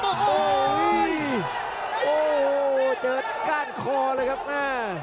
โอ้โหโอ้โหเติดก้านคอเลยครับนะ